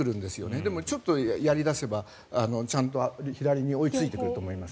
でも、ちょっとやり出せばちゃんと左に追いついてくると思います。